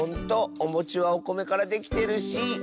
おもちはおこめからできてるし。